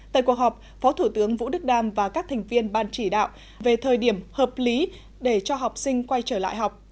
tại cuộc họp phó thủ tướng vũ đức đam và các thành viên ban chỉ đạo về thời điểm hợp lý để cho học sinh quay trở lại học